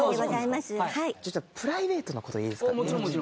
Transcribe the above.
プライベートなこといいですか？